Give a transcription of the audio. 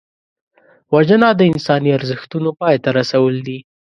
وژنه د انساني ارزښتونو پای ته رسول دي